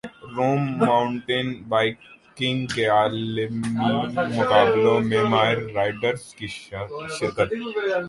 روم mountain biking کے عالمی مقابلوں میں ماہر رائیڈرز کی شرکت